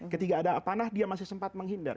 ketika ada panah dia masih sempat menghindar